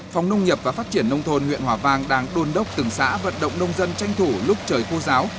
phòng nông nghiệp và phát triển nông thôn huyện hòa vang đang đôn đốc từng xã vận động nông dân tranh thủ lúc trời khô giáo